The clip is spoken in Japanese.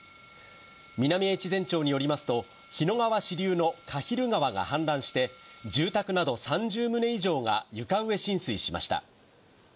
南越前町によりますと、日野川支流の鹿蒜川が氾濫して、住宅など３０棟以上が床上浸水しました。